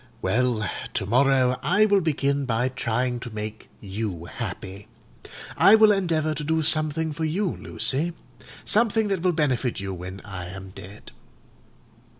Well, to morrow I will begin by trying to make you happy. I will endeavour to do something for you, Lucy: something that will benefit you when I am dead.